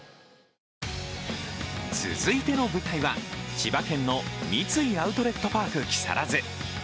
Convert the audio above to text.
続いての舞台は千葉県の三井アウトレットパーク木更津。